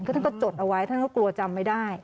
ท่านก็จดเอาไว้ท่านก็กลัวจำไม่ได้